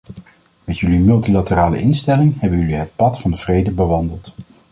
Met jullie multilaterale instelling hebben jullie het pad van de vrede bewandeld.